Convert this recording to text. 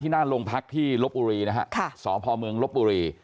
ที่น่าโรงพักที่ลบอุรีนะฮะค่ะสอบพลเมืองลบอุรี